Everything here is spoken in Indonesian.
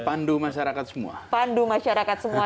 pandu masyarakat semua pandu masyarakat semua